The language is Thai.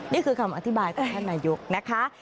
นี่คือคำอธิบายของท่านนายกนะคะ